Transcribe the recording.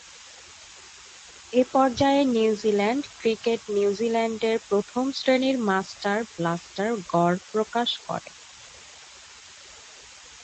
এ পর্যায়ে New Zealand cricket নিউজিল্যান্ডের প্রথম-শ্রেণীর মাস্টার-ব্লাস্টার গড় প্রকাশ করে।